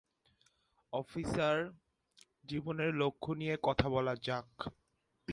Officer, জীবনের লক্ষ্য নিয়ে কথা বলা যাক।